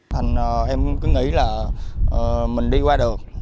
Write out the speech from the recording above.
thành em cứ nghĩ là mình đi qua được